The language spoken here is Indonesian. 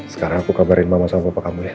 sekarang aku kabarin mama sama papa kamu ya